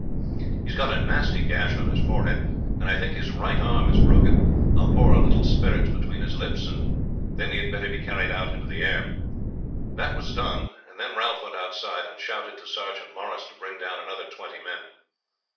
"He has got a nasty gash on his forehead, and I think his right arm is broken," he said. "I will pour a little spirits between his lips, and then he had better be carried out into the air." This was done; and then Ralph went outside, and shouted to Sergeant Morris to bring down another twenty men.